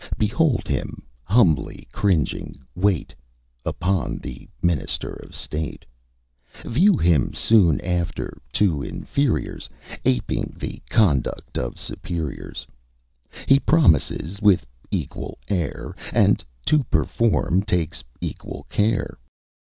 Behold him humbly cringing wait Upon the minister of state; View him, soon after, to inferiors Aping the conduct of superiors: He promises, with equal air, And to perform takes equal care.